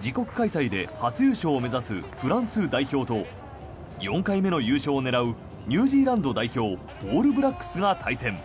自国開催で初優勝を目指すフランス代表と４回目の優勝を狙うニュージーランド代表オールブラックスが対戦。